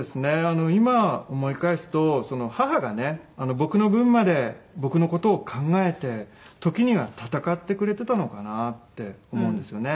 僕の分まで僕の事を考えて時には闘ってくれてたのかなって思うんですよね。